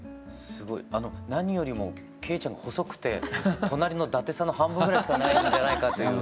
すごい。何よりも惠ちゃんが細くて隣の伊達さんの半分ぐらいしかないんじゃないかっていう。